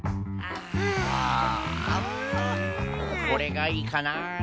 これがいいかなあ？